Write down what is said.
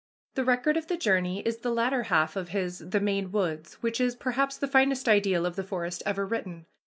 The record of the journey is the latter half of his The Maine Woods, which is perhaps the finest idyl of the forest ever written.